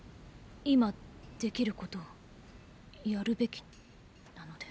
今できることをやるべきなので。